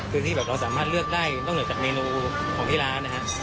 คือที่แบบเราสามารถเลือกได้นอกเหนือจากเมนูของที่ร้านนะฮะ